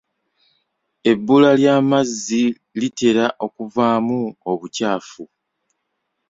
Ebbula ly'amazzi litera okuvaamu obukyafu.